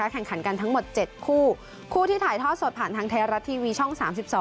แข่งขันกันทั้งหมด๗คู่คู่ที่ถ่ายทอดสดผ่านทางไทยรัฐทีวีช่อง๓๒